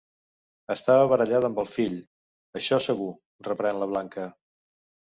Estava barallada amb el fill, això segur —reprèn la Blanca—.